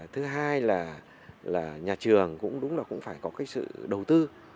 thứ hai là nhà trường cũng đúng là cũng phải có cái sự đầu tư